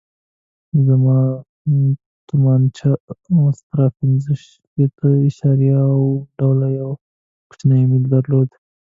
زما تومانچه استرا پنځه شپېته اعشاریه اوه ډوله یو کوچنی میل درلود.